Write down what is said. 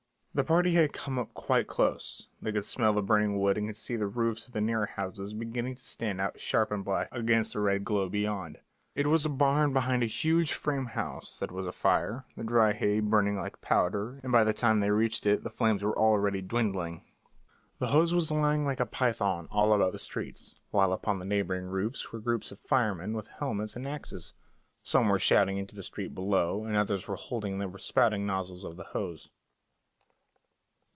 The party had come up quite close; they could smell the burning wood and could see the roofs of the nearer houses beginning to stand out sharp and black against the red glow beyond. It was a barn behind a huge frame house that was afire, the dry hay burning like powder, and by the time they reached it the flames were already dwindling. The hose was lying like a python all about the streets, while upon the neighbouring roofs were groups of firemen with helmets and axes; some were shouting into the street below, and others were holding the spouting nozzles of the hose.